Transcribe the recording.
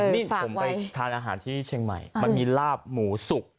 นี่ผมไปทานอาหารที่เชียงใหม่มันมีลาบหมูสุก